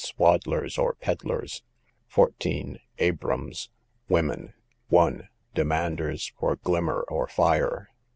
Swaddlers, or Pedlars. 14. Abrams. WOMEN. 1. Demanders for Glimmer or Fire.